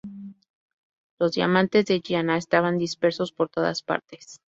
Los diamantes de Giana estaban dispersos por todas partes.